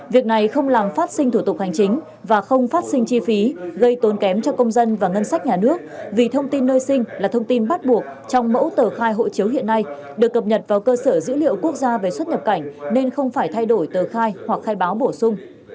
việc này không làm phát sinh thủ tục hành chính và không phát sinh chi phí gây tốn kém cho công dân và ngân sách nhà nước vì thông tin nơi sinh là thông tin bắt buộc trong mẫu tờ khai hộ chiếu hiện nay được cập nhật vào cơ sở dữ liệu quốc gia về xuất nhập cảnh nên không phải thay đổi tờ khai hoặc khai báo bổ sung